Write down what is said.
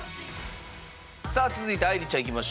さあ続いて愛莉ちゃんいきましょう。